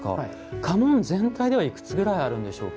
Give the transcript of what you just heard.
家紋全体ではいくつぐらいあるんでしょうか？